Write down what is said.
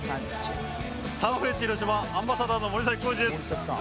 サンフレッチェ広島アンバサダーの森浩司です。